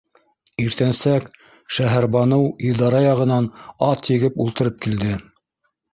Иртәнсәк Шәһәрбаныу идара яғынан ат егеп ултырып килде.